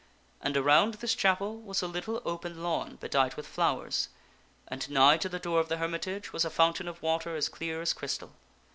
And around this chapel was a little open lawn bedight with flowers, and nigh to the door of the hermitage was a fountain of water as clear as crystal.